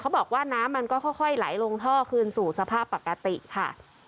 บอกว่าน้ำมันก็ค่อยไหลลงท่อคืนสู่สภาพปกติค่ะ